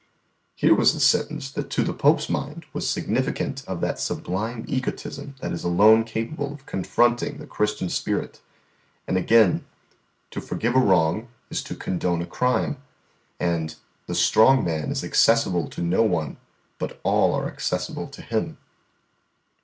Here was a sentence that to the Pope's mind was significant of that sublime egotism that is alone capable of confronting the Christian spirit: and again, "To forgive a wrong is to condone a crime," and "The strong man is accessible to no one, but all are accessible to him."